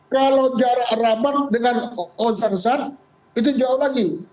kalau jarak rabat dengan osarsat itu jauh lagi